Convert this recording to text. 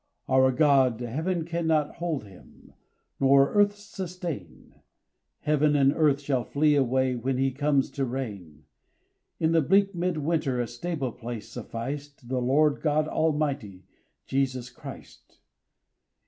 Our God, Heaven cannot hold Him Nor earth sustain; Heaven and earth shall flee away When He comes to reign: In the bleak mid winter A stable place sufficed The Lord God Almighty Jesus Christ.